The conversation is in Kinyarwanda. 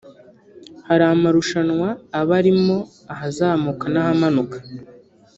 hari marushanwa aba arimo ahazamuka n’ahamanuka